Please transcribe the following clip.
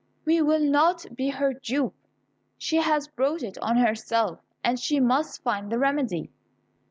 We will not be her dupe. She has brought it on herself, and she must find the remedy."